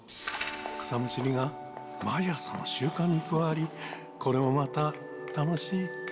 草むしりが毎朝の習慣に加わり、これもまた楽しい。